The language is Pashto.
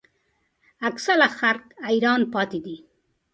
اکثره خلک حیران پاتې دي.